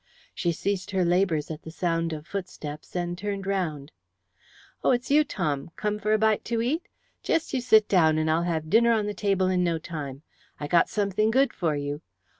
She ceased her labours at the sound of footsteps, and turned round. "Oh, it's you, Tom. Come for a bite to eat? Jest sit you down, and I'll have dinner on the table in no time. I got something good for you.